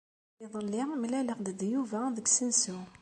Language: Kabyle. Iḍelli, mlaleɣ-d d Yuba deg usensu.